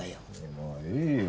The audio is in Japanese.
もういいよ